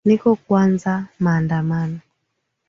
niko kuanza maandamano